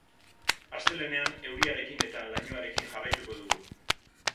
Astelehenean euriarekin eta lainoarekin jarraituko dugu.